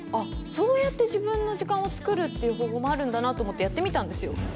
そうやって自分の時間を作るっていう方法もあるんだなと思ってやってみたんですよ